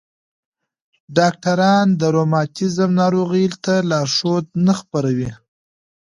ډاکټران د روماتیزم ناروغۍ ته لارښود نه خپروي.